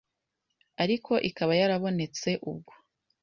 ariko ikaba yarabonetse ubwo